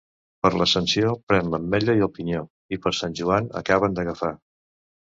Per l'Ascensió pren l'ametlla i el pinyó, i per Sant Joan acaba'n d'agafar.